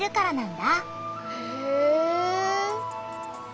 へえ。